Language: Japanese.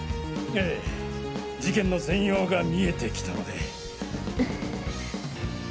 ええ事件の全容が見えてきたので。